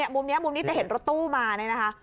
มุมนี้จะเห็นรถตู้มานี่นะคะ